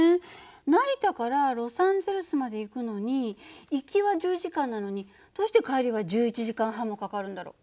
成田からロサンゼルスまで行くのに行きは１０時間なのにどうして帰りは１１時間半もかかるんだろう。